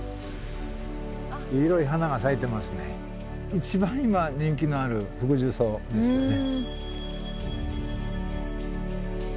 一番今人気のあるフクジュソウですね。